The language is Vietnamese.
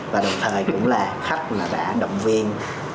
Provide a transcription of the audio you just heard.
và đồng thời cũng là khách đã động viên